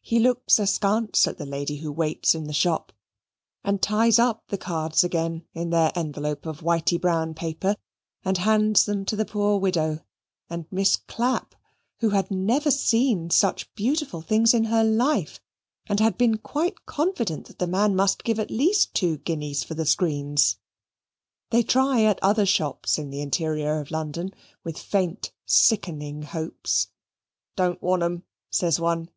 He looks askance at the lady who waits in the shop, and ties up the cards again in their envelope of whitey brown paper, and hands them to the poor widow and Miss Clapp, who had never seen such beautiful things in her life, and had been quite confident that the man must give at least two guineas for the screens. They try at other shops in the interior of London, with faint sickening hopes. "Don't want 'em," says one.